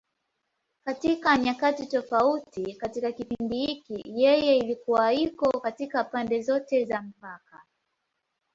Katika nyakati tofauti katika kipindi hiki, yeye ilikuwa iko katika pande zote za mpaka.